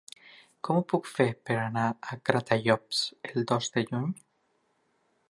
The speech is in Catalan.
Com ho puc fer per anar a Gratallops el dos de juny?